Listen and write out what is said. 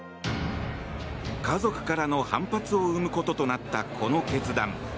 家族からの反発を生むこととなった、この決断。